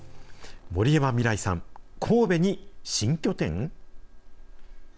森山未來さん、神戸に新拠点？